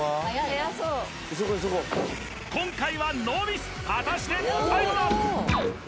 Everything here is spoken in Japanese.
今回はノーミス果たしてタイムは？